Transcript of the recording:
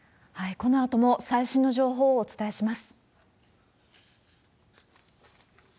このあとも最新の情報をお伝えします。